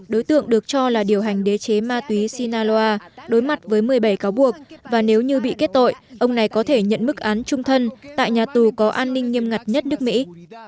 đối tượng được cho là điều hành đế chế ma túy sinaloa đối mặt với một mươi bảy cáo buộc và nếu như bị kết tội ông này có thể nhận mức án trung thân tại nhà tù có an ninh nghiêm ngặt nhất nước mỹ